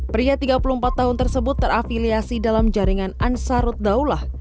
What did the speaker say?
pria tiga puluh empat tahun tersebut terafiliasi dalam jaringan ansarut daulah